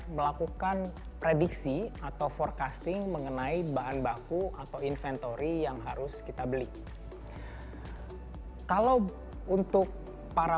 melakukan prediksi atau forecasting mengenai bahan baku atau inventory yang harus kita beli kalau untuk para